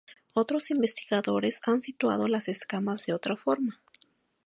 Otros investigadores han situado las escamas de otra forma.